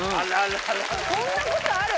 こんなことある？